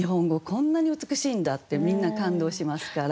こんなに美しいんだってみんな感動しますから。